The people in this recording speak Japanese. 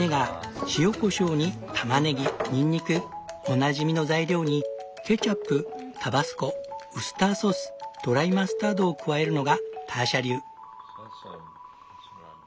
おなじみの材料にケチャップタバスコウスターソースドライマスタードを加えるのがターシャ流。